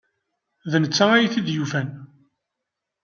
D netta ay t-id-yufan.